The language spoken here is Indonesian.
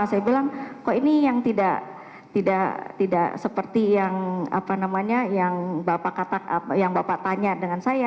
saya bilang kok ini yang tidak seperti yang bapak tanya dengan saya